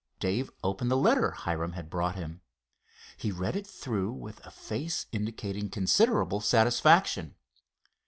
Dave opened the letter Hiram had brought him. He read it through with a face indicating considerable satisfaction.